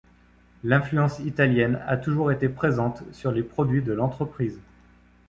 L’influence italienne a toujours été présente sur les produits de l’entreprise.